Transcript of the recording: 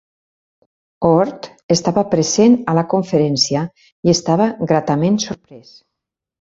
Oort estava present a la conferència i estava gratament sorprès.